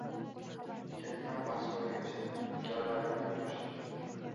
Ketidan Vasko ergashdi. Ikkalalariyam oʻtirishdi.